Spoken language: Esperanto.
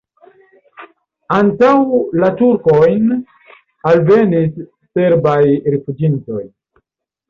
Antaŭ la turkojn alvenis serbaj rifuĝintoj.